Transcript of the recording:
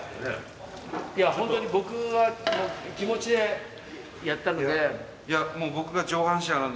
いやほんとに僕は気持ちでやったので。